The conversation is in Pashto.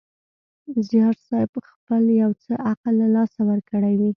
زیارصېب خپل یو څه عقل له لاسه ورکړی وي.